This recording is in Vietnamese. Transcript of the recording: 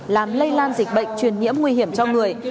làm lây lan dịch bệnh truyền nhiễm nguy hiểm cho người